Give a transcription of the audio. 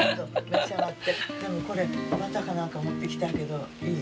でもこれバターか何か持ってきたいけどいい？